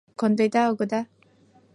кондеда огыда?!